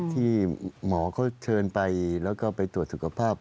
ที่หมอเขาเชิญไปแล้วก็ไปตรวจสุขภาพ